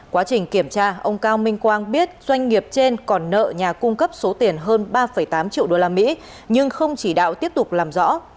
quá trình kiểm tra ông cao minh quang biết doanh nghiệp trên còn nợ nhà cung cấp số tiền hơn ba tám triệu usd nhưng không chỉ đạo tiếp tục làm rõ